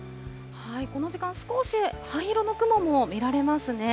この時間、少し灰色の雲も見られますね。